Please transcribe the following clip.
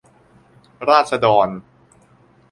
ราษฎร